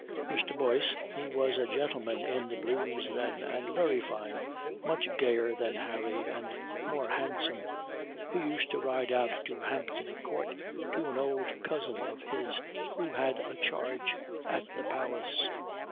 Mr. Boyce he was a gentleman in the Blues then, and very fine, much gayer than Harry and more handsome. He used to ride out to Hampton Court to an old cousin of his, who had a charge at the Palace.